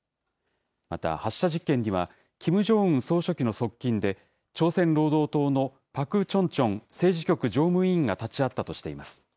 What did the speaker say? また、発射実験には、キム・ジョンウン総書記の側近で、朝鮮労働党のパク・チョンチョン政治局常務委員が立ち会ったとしています。